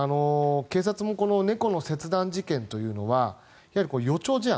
警察もこの猫の切断事件というのは予兆事案